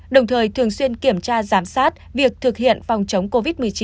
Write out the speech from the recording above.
đồng thời thường xuyên kiểm tra giám sát việc thực hiện phòng chống covid một mươi chín